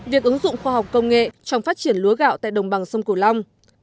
việc ứng dụng khoa học công nghệ trong phát triển lúa gạo tại đồng bằng sông cửu long